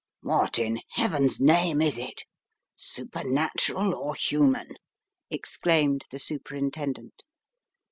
"What, in Heaven's name, is it? Supernatural or human?" exclaimed the Superintendent.